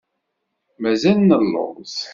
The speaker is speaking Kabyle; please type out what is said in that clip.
Mazal nelluẓ.